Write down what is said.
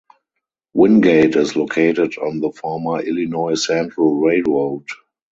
Wingate is located on the former Illinois Central Railroad.